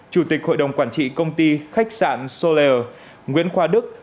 chủ tịch hội đồng quản trị công ty khách sạn sô lèo nguyễn khoa đức